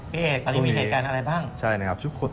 พี่เอกตอนนี้มีเหตุการณ์อะไรบ้าง